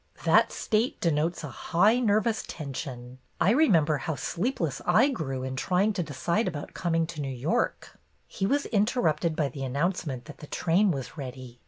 That state denotes a high nervous tension. I remember how sleepless I grew 94 BETTY BAIRD'S GOLDEN YEAR in trying to decide about coming to New York." He was interrupted by the announcement that the train was ready.